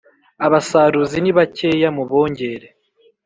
abasaruzi ni bakeya mubongere: